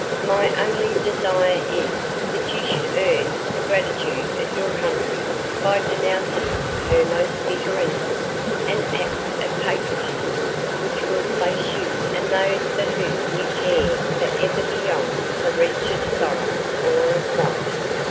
My only desire is that you should earn the gratitude of your country by denouncing her most bitter enemy an act of patriotism which will place you and those for whom you care for ever beyond the reach of sorrow or of want."